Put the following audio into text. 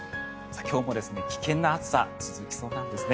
今日も危険な暑さが続きそうなんですね。